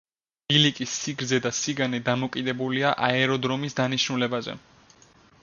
ბილიკის სიგრძე და სიგანე დამოკიდებულია აეროდრომის დანიშნულებაზე.